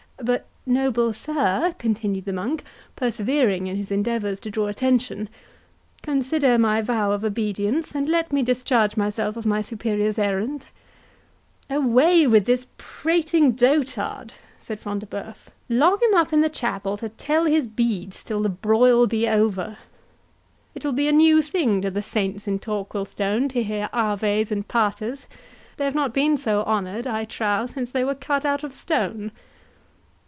"But, noble sir," continued the monk, persevering in his endeavours to draw attention, "consider my vow of obedience, and let me discharge myself of my Superior's errand." "Away with this prating dotard," said Front de Bœuf, "lock him up in the chapel, to tell his beads till the broil be over. It will be a new thing to the saints in Torquilstone to hear aves and paters; they have not been so honoured, I trow, since they were cut out of stone."